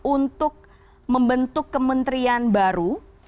untuk membentuk kementerian baru